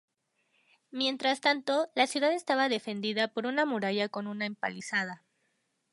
Mientras tanto, la ciudad estaba defendida por una muralla con una empalizada.